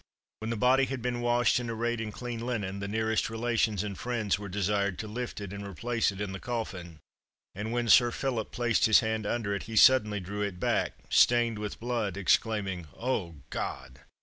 When the body had been washed and arrayed in clean linen, the nearest relations and friends were desired to lift it and replace it in the coffin; and when Sir Philip placed his hand under it, he suddenly drew it back, stained with blood, exclaiming, "Oh, God!"